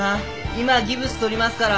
今ギプス取りますから。